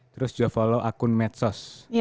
terus jo follow akun medsos